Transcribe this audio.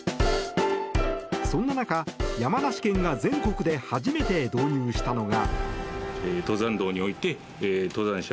そんな中、山梨県が全国で初めて導入したのが。